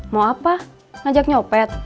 mau apa ngajak nyopet